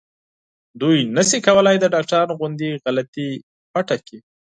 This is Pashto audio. دوی نشي کولای د ډاکټرانو غوندې غلطي پټه کړي.